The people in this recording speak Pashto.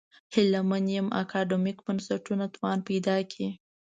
هیله من یم اکاډمیک بنسټونه توان پیدا کړي.